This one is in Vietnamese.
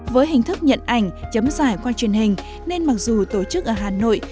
với hình thức nhận ảnh chấm giải qua truyền hình nên mặc dù tổ chức ở hà nội